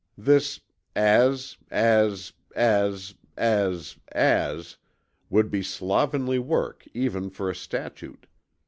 This "as," "as," "as," "as," "as" would be slovenly work even for a statute.